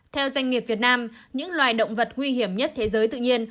theo doanh nghiệp việt nam những loài động vật nguy hiểm nhất thế giới tự nhiên